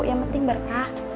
yang penting berkah